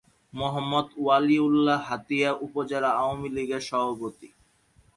মোহাম্মদ ওয়ালী উল্লাহ হাতিয়া উপজেলা আওয়ামী লীগের সভাপতি।